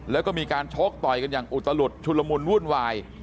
แล้วก็มีการชกต่อยกันอย่างอุตลุดชุลมุนวุ่นวาย